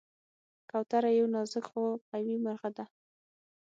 کوتره یو نازک خو قوي مرغه ده.